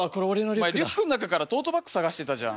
お前リュックの中からトートバッグ捜してたじゃん。